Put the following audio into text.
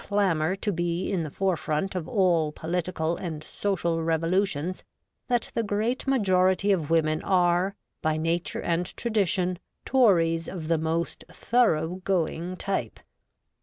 25 clamour to be in the forefront of all political and social revolutions, that the great majority of women are, by nature and tradition, Tories of the most thorough going type.